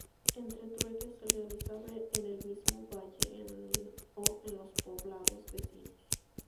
Este trueque se realizaba en el mismo valle o en los poblados vecinos.